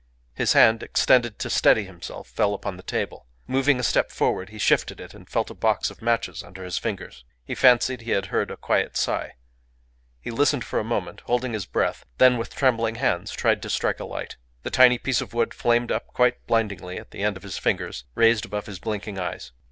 His hand, extended to steady himself, fell upon the table. Moving a step forward, he shifted it, and felt a box of matches under his fingers. He fancied he had heard a quiet sigh. He listened for a moment, holding his breath; then, with trembling hands, tried to strike a light. The tiny piece of wood flamed up quite blindingly at the end of his fingers, raised above his blinking eyes.